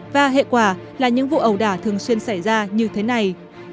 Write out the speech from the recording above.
và hệ quả là những vụ ẩu đả thường xuyên xảy ra như thế này